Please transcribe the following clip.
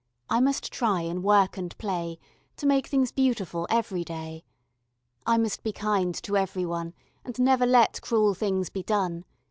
I must try in work and play To make things beautiful every day. I must be kind to every one And never let cruel things be done.